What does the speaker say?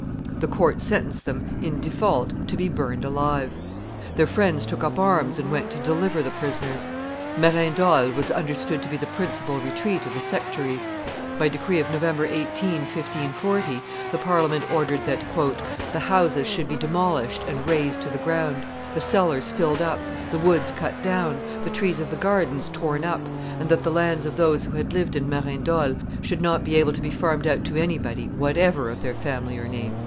The court sentenced them, in default, to be burned alive. Their friends took up arms and went to deliver the prisoners. Merindol was understood to be the principal retreat of the sectaries; by decree of November 18, 1540, the Parliament ordered that "the houses should be demolished and razed to the ground, the cellars filled up, the woods cut down, the trees of the gardens torn up, and that the lands of those who had lived in Merindol should not be able to be farmed out to anybody whatever of their family or name."